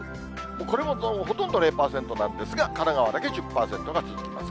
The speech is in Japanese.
これもほとんど０％なんですが、神奈川だけ１０％が続きます。